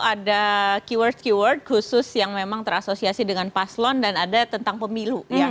ada keyword keyword khusus yang memang terasosiasi dengan paslon dan ada tentang pemilu